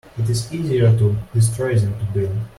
It is easier to destroy than to build.